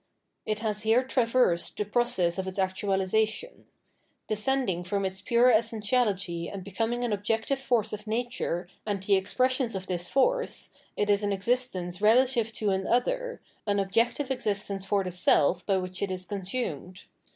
It has here traversed the process of its actualisation. Descending from its pure essentiality and becoming an objective force of nature and the expressions of this force, it is an existence relative to an other, an objective existence for the self by which it is consumed.